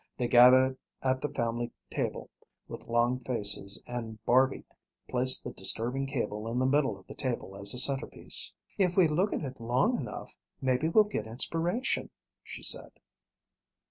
They gathered at the family table with long faces and Barby placed the disturbing cable in the middle of the table as a centerpiece. "If we look at it long enough, maybe we'll get inspiration," she said.